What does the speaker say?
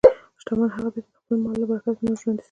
شتمن هغه دی چې د خپل مال له برکته نور ژوندي ساتي.